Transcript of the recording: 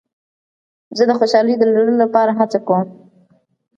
زه د خوشحالۍ د لرلو لپاره هڅه کوم.